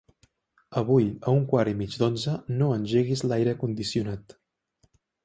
Avui a un quart i mig d'onze no engeguis l'aire condicionat.